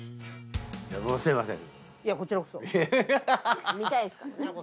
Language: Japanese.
すいません。